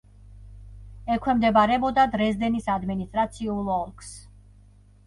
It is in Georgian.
ექვემდებარებოდა დრეზდენის ადმინისტრაციულ ოლქს.